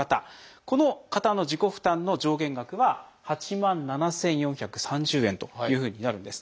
この方の自己負担の上限額は８万７，４３０円というふうになるんです。